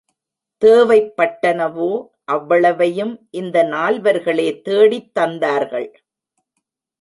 தேவைப்பட்டனவோ அவ்வளவையும் இந்த நால்வர்களே தேடித் தந்தார்கள்.